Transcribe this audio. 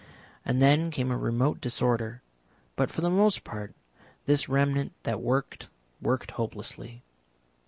And then came a remote disorder. But for the most part this remnant that worked, worked hopelessly.